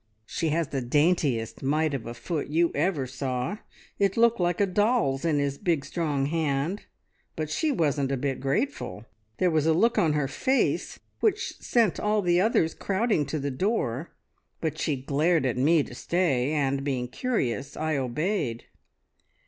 She has the daintiest mite of a foot you ever saw it looked like a doll's in his big, strong hand but she wasn't a bit grateful. There was a look on her face which sent all the others crowding to the door, but she glared at me to stay, and, being curious, I obeyed.